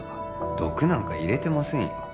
毒なんか入れてませんよ